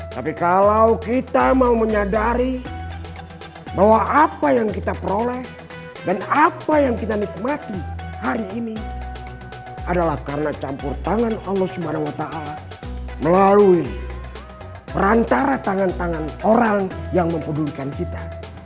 tapi kalau kita mau menyadari bahwa apa yang kita peroleh dan apa yang kita nikmati hari ini adalah karena campur tangan allah swt melalui perantara tangan tangan orang yang mempedulikan kita